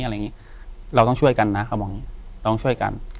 อะไรอย่างนี้เราต้องช่วยกันนะเขาบอกอย่างนี้เราต้องช่วยกัน